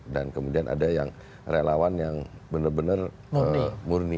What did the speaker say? dan kemudian ada yang relawan yang benar benar murni